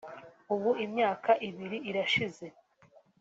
“Ubu imyaka ibiri irashize